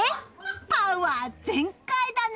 パワー全開だね！